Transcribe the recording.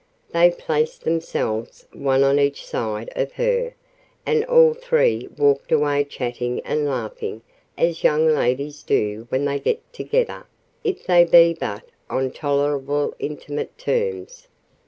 They placed themselves one on each side of her, and all three walked away chatting and laughing as young ladies do when they get together, if they be but on tolerably intimate terms.